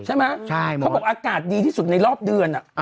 เขาบอกอากาศดีที่สุดในรอบเดือน